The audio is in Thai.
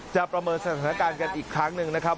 ประเมินสถานการณ์กันอีกครั้งหนึ่งนะครับ